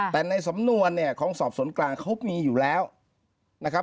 แต่ในสำนวนเนี่ยของสอบสวนกลางเขามีอยู่แล้วนะครับ